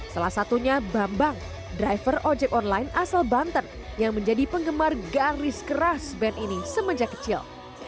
salah satunya bambang driver ojek online asal banten yang menjadi penggemar garis keras band ini semenjak kecil